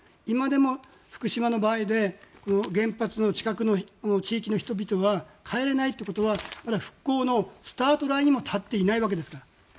今でも、福島の場合で原発の近くの地域の人々は帰れないということはまだ復興のスタートラインにも立っていないわけですから。